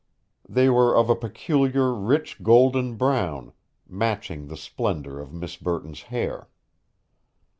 They were of a peculiar rich golden brown, matching the splendor of Miss Burton's hair.